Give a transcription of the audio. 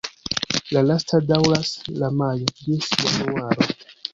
La lasta daŭras de majo ĝis januaro.